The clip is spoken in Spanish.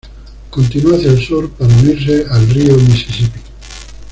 Continúa hacia el sur para unirse al río Misisipi.